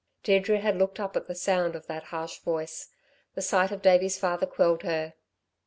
Deirdre had looked up at the sound of that harsh voice. The sight of Davey's father quelled her.